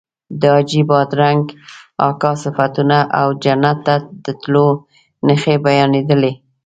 د حاجي بادرنګ اکا صفتونه او جنت ته د تلو نښې بیانېدلې.